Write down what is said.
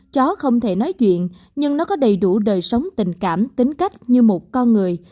chó không thể nói chuyện nhưng nó có đầy đủ đời sống tình cảm tính cách như một con người